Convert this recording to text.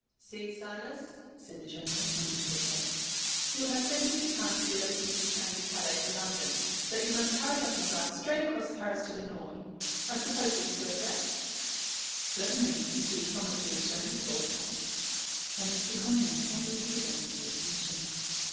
"See, Silas," said the General, pointing to the clock, "you will have plenty of time for the 11.50 train to Calais for London, but you must hurry up and drive straight across Paris to the Nord. I suppose he can go, Jack?" "Certainly, as he has promised to return if called upon." And Mr. Collingham promptly took advantage of the permission.